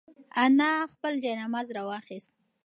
انا خپل جاینماز راواخیست.